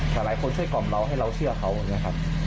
แต่หลายคนช่วยกล่อมเราให้เราเชื่อเขาอย่างนี้ครับ